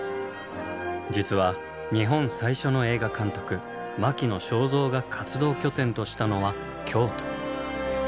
実は日本最初の映画監督牧野省三が活動拠点としたのは京都。